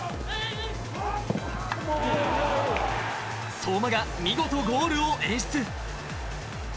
相馬が見事ゴールを演出。